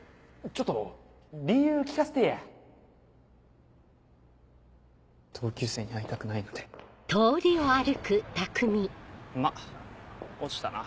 ちょっと理由聞かせてぇや同級生に会いたくないのでまっ落ちたな。